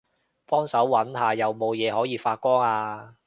幫手搵下有冇嘢可以發光吖